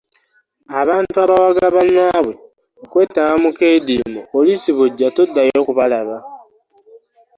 Abantu abawaga bannaabwe okwetaba mu keedimo poliisi bw'ejja toddayo kubalaba.